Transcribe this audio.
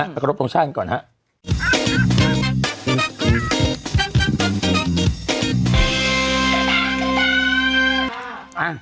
มากรบตรงช่างก่อนครับ